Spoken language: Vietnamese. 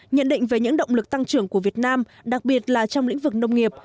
nhận định về những động lực tăng trưởng của việt nam đặc biệt là trong lĩnh vực nông nghiệp